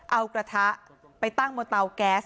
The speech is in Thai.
เอากระทะไปตั้งบนเตาแก๊ส